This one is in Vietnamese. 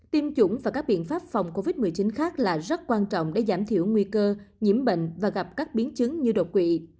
tiêm chủng và các biện pháp phòng covid một mươi chín khác là rất quan trọng để giảm thiểu nguy cơ nhiễm bệnh và gặp các biến chứng như đột quỵ